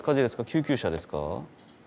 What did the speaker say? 救急車ですか？